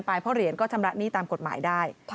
เพราะเหรียญก็ชำระหนี้ตามกฎหมายได้